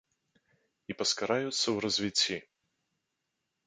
І паскараюцца ў развіцці.